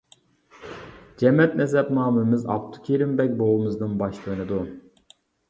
جەمەت نەسەبنامىمىز ئابدۇكېرىم بەگ بوۋىمىزدىن باشلىنىدۇ.